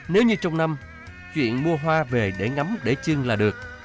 nếu như trong năm chuyện mua hoa về để ngắm để chưng là được